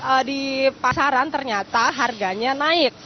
kalau di pasaran ternyata harganya naik